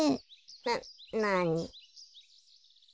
ななに？